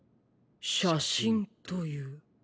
写真という。